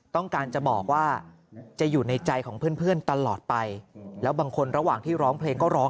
น้องคิตตี้เป็นครั้งสุดท้ายก่อนเคลื่อนร่วมไว้อาลัยด้วยแล้วก็ร้องเพลงก็ร้องเพลงก็ร้อง